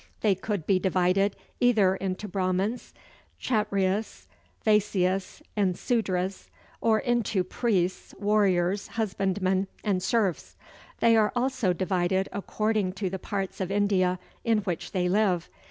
They could be divided either into Brahmans, Kchatryas, Vaisyas, and Sudras; or into priests, warriors, husbandmen, and serfs. They are also divided according to the parts of India in which they live.